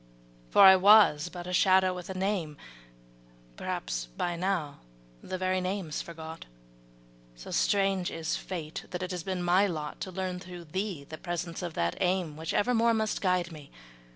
For I was but a shadow with a name, Perhaps by now the very name's forgot; So strange is Fate that it has been my lot To learn through thee the presence of that aim Which evermore must guide me.